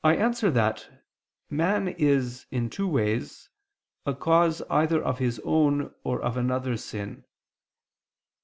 I answer that, Man is, in two ways, a cause either of his own or of another's sin.